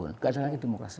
tidak ada lagi demokrasi